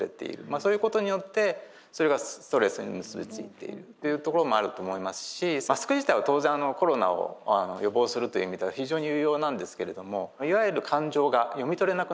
そういうことによってそれがストレスに結び付いているというところもあると思いますしマスク自体は当然コロナを予防するという意味では非常に有用なんですけれどもいわゆる感情が読み取れなくなる。